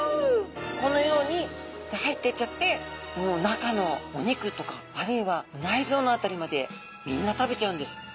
このように入っていっちゃってもう中のお肉とかあるいは内臓の辺りまでみんな食べちゃうんです。